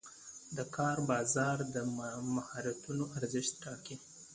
د کار بازار د مهارتونو ارزښت ټاکي.